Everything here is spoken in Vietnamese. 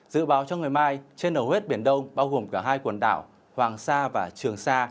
dự báo cho ngày mai trên nầu huyết biển đông bao gồm cả hai quần đảo hoàng sa và trường sa